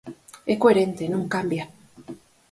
É coherente, non cambia.